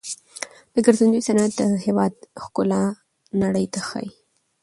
د ګرځندوی صنعت د هیواد ښکلا نړۍ ته ښيي.